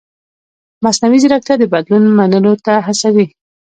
مصنوعي ځیرکتیا د بدلون منلو ته هڅوي.